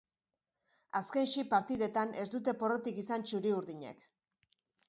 Azken sei partidetan ez dute porrotik izan txuri-urdinek.